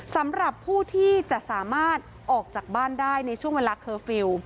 สำหรับผู้ที่จะสามารถออกจากบ้านได้ในช่วงเวลาเคอร์ฟิลล์